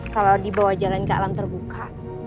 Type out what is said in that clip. kalau dibawa jalan ke alam terbuka